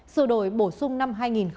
sửa đổi bổ sung năm hai nghìn một mươi bảy